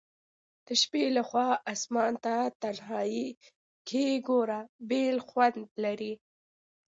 د شپي لخوا آسمان ته تنهائي کي ګوره بیل خوند لري